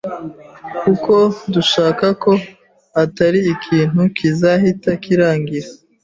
kuko dushaka ko atari ikintu kizahita kirangira”.